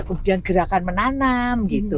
kemudian gerakan menanam gitu